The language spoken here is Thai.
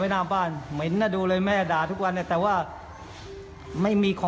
น่ารักมาก